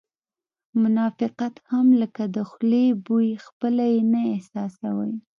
منافقت هم لکه د خولې بوی خپله یې نه احساسوې